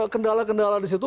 kendala kendala di situ